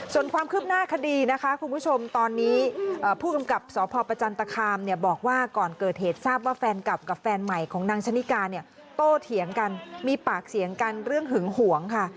ส่วนความคืบหน้าคดีนะคะคุณผู้ชมตอนนี้ผู้กำกับสพประจันตคามเนี่ยบอกว่าก่อนเกิดเหตุทราบว่าแฟนกลับกับแฟนใหม่ของนางชนิกาเนี่ยโตเถียงกันมีปากเสียงกันเรื่องหึงหวงค่ะ